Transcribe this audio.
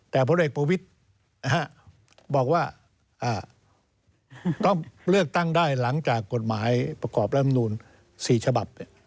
แต่พลเอกประวิทย์บอกว่าต้องเลือกตั้งได้หลังจากกฎหมายประกอบรัฐมนูล๔ฉบับ